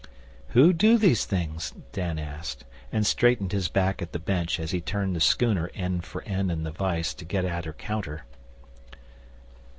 'Who do these things?' Dan asked, and straightened his back at the bench as he turned the schooner end for end in the vice to get at her counter.